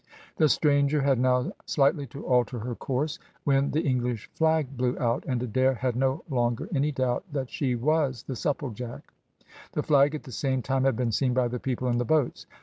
The stranger had now slightly to alter her course, when the English flag blew out, and Adair had no longer any doubt that she was the Supplejack. The flag at the same time had been seen by the people in the boats.